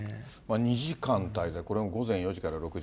２時間滞在、これも午前４時から６時。